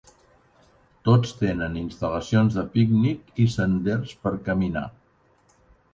Tots tenen instal·lacions de pícnic i senders per caminar.